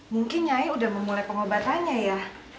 mungkin nyai udah memulai pengobatannya ya